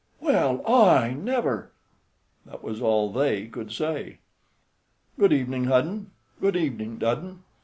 "Well, I never!" that was all they could say. "Good evening, Hudden; good evening, Dudden.